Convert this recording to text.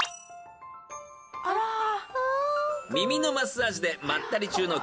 ［耳のマッサージでまったり中の］